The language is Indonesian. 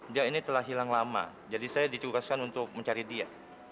dia ini telah hilang lama jadi saya dicukuskan untuk mencari dia